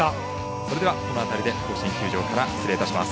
それでは、この辺りで甲子園球場から失礼いたします。